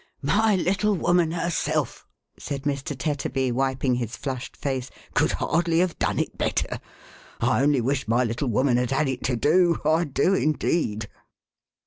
" My little woman herself," said Mr. Tetterby, wiping his flushed face, " could hardly have done it better ! I only wish my little woman had had it to do, I do indeed